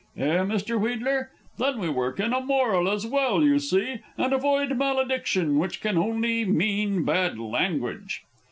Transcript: Eh, Mr. Wheedler? Then we work in a moral as well, you see, and avoid malediction, which can only mean bad language.